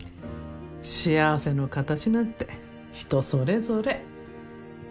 幸せの形なんて人それぞれ。